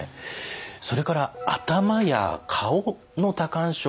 それから頭や顔の多汗症